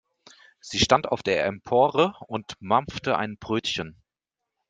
Sie stand auf der Empore und mampfte ein Brötchen.